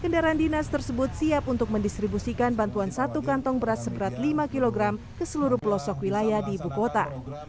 kendaraan dinas tersebut siap untuk mendistribusikan bantuan satu kantong beras seberat lima kg ke seluruh pelosok wilayah di ibu kota